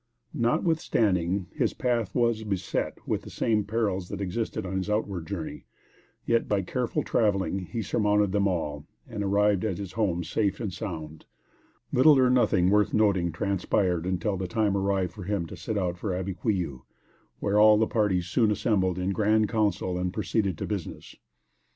Notwithstanding his path was beset with the same perils that existed on his outward journey, yet by careful traveling he surmounted them all, and arrived at his home safe and sound. Little or nothing worth noting transpired until the time arrived for him to set out for Abiquiu, where all parties soon assembled in grand council and proceeded to business.